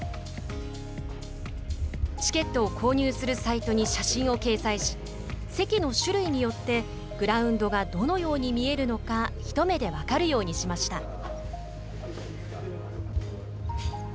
チケットを購入するサイトに写真を掲載し席の種類によってグラウンドがどのように見えるのか一目で分かるようにしました。